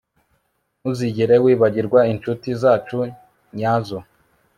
ntuzigere wibagirwa inshuti zacu nyazo